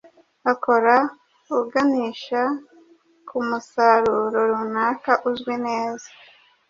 akora uganisha ku musaruro runaka uzwi neza.